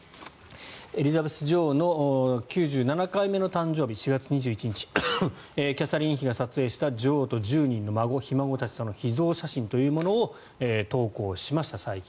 エリザベス女王の９７回目の誕生日、４月２１日キャサリン妃が撮影した女王と１０人の孫・ひ孫たちの秘蔵写真というものを投稿しました、最近。